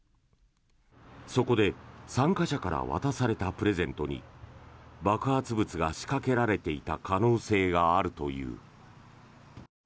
そこで参加者から渡されたプレゼントに爆発物が仕掛けられていた可能性があるという。